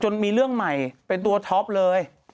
มีเรื่องใหม่เป็นตัวท็อปเลย